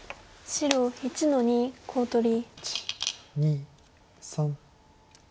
黒１の一コウ取り。